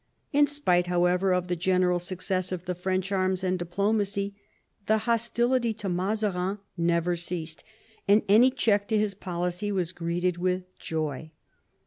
In spite, however, of the general success of the French arms and diplomacy, the hostility to Mazarin never ceased, and any check to his policy was greeted with joy.